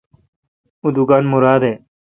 اوں دکان مراد اے°